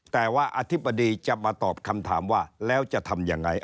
แต่ว่าอธิบดีจะมาตอบคำถามว่าแล้วจะทำยังไง